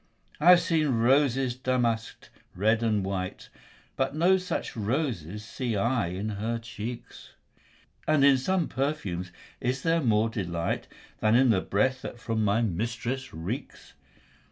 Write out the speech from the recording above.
I have seen roses damask'd, red and white, But no such roses see I in her cheeks; And in some perfumes is there more delight Than in the breath that from my mistress reeks.